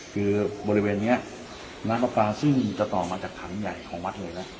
คือบริเวณนี้น้ำปลาปลาซึ่งจะต่อมาจากถังใหญ่ของวัดเลยนะ